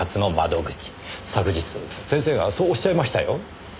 昨日先生がそうおっしゃいましたよ。